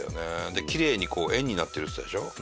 でキレイに円になってるって言ってたでしょ。